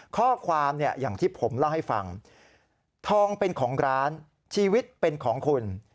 ข้อความเนี่ยอย่างที่ผมเล่าให้ฟังทองเป็นของร้านชีวิตเป็นของคุณ